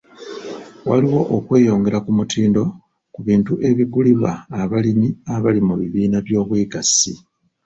Waliwo okweyongera ku mutindo ku bintu ebigulibwa abalimi abali mu bibiina by'obwegassi.